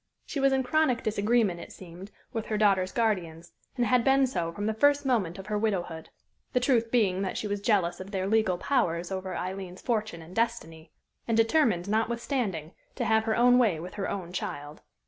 She was in chronic disagreement, it seemed, with her daughter's guardians, and had been so from the first moment of her widowhood, the truth being that she was jealous of their legal powers over Aileen's fortune and destiny, and determined, notwithstanding, to have her own way with her own child.